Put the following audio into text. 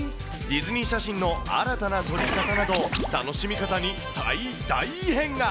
ディズニー写真の新たな撮り方など、楽しみ方に大異変が。